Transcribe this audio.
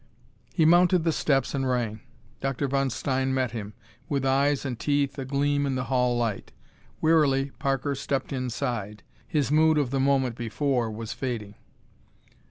He mounted the steps and rang. Dr. von Stein met him, with eyes and teeth agleam in the hall light. Wearily Parker stepped inside. His mood of the moment before was fading.